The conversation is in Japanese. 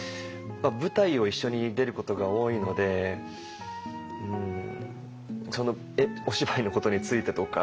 舞台を一緒に出ることが多いのでそのお芝居のことについてとか。